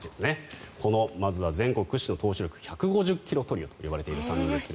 まずは全国屈指の投手力１５０ｋｍトリオと言われている３人ですが。